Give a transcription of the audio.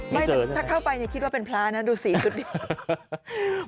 ไม่ถึงถ้าเข้าไปอย่าคิดว่าเป็นพลานะดูสีสุดเดียว